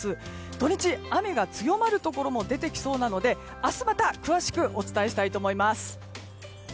土日、雨が強まるところも出てきそうなので明日、また詳しくお伝えしたいと思います。